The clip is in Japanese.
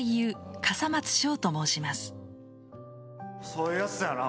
そういうやつだよな